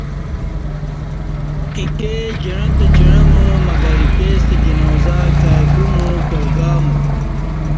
اکے جعں تہ جعں مو مگر اِکےستہ جنازہ کائی کُومو، کار گامو۔